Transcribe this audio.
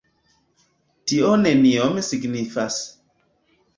Tio nenion signifas.